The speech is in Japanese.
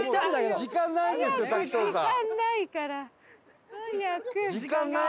時間ないから。早く！